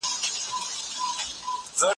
کېدای سي د کتابتون کتابونه سخت وي.